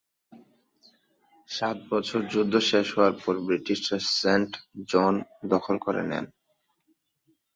সাত বছরের যুদ্ধ শেষ হওয়ার পর ব্রিটিশরা সেন্ট জন দখল করে নেয়।